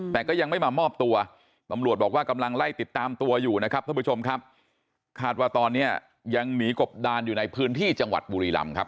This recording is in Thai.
แต่ก็ยังไม่มามอบตัวตำรวจบอกว่ากำลังไล่ติดตามตัวอยู่นะครับท่านผู้ชมครับคาดว่าตอนนี้ยังหนีกบดานอยู่ในพื้นที่จังหวัดบุรีรำครับ